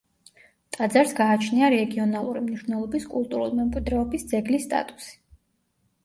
ტაძარს გააჩნია რეგიონალური მნიშვნელობის კულტურულ მემკვიდრეობის ძეგლის სტატუსი.